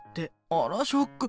あらショック！